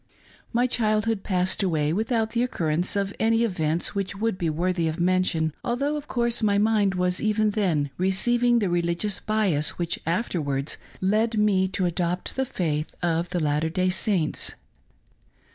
My childhood passed away without the occurrence of any events which would be worthy of mention, although, of course, my mind was even then receiving that religious bias which afterwards led me to adopt the faith of the Latter day Saints.